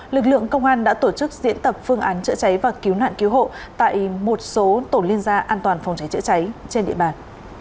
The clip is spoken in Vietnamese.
lực lượng công an đã tổ chức diễn tập phương án chữa cháy và cứu nạn cứu hộ tại một số tổ liên gia an toàn phòng cháy chữa cháy trên địa bàn